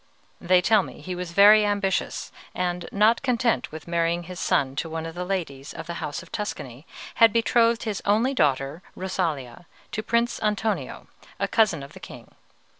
They tell me he was very ambitious, and, not content with marrying his son to one of the ladies of the House of Tuscany, had betrothed his only daughter, Rosalia, to Prince Antonio, a cousin of the king.